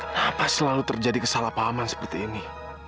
kenapa selalu terjadi kesalahpahaman seperti ini